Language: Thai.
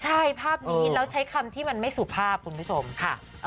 ใช่ภาพนี้แล้วใช้คำที่มันไม่สุภาพคุณผู้ชมค่ะ